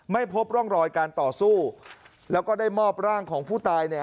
ไม่พบร่องรอยการต่อสู้แล้วก็ได้มอบร่างของผู้ตายเนี่ย